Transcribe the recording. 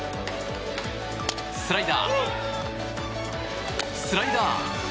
スライダー、スライダー。